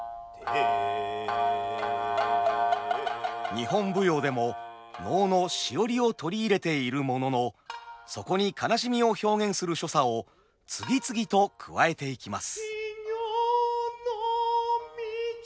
日本舞踊でも能の「シオリ」を取り入れているもののそこに哀しみを表現する所作を次々と加えていきます。